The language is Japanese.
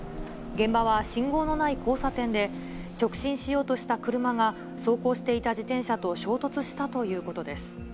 現場は信号のない交差点で、直進しようとした車が、走行していた自転車と衝突したということです。